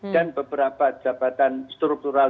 dan beberapa jabatan struktural